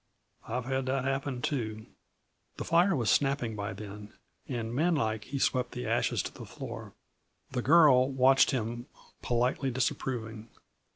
I've had that happen, too." The fire was snapping by then, and manlike he swept the ashes to the floor. The girl watched him, politely disapproving.